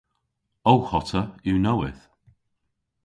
Ow hota yw nowydh.